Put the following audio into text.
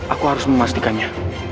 aku harus memastikannya